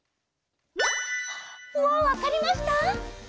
もうわかりました？